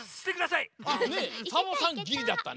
サボさんギリだったね。